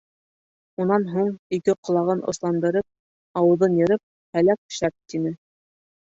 Унан һуң ике ҡолағын осландырып, ауыҙын йырып «һәләк шәп» тине.